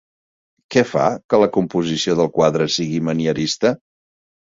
Què fa que la composició del quadre sigui manierista?